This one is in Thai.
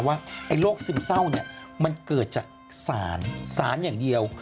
ว่าไอ้โรคซึมเศร้าเนี่ยมันเกิดจากสารสารอย่างเดียว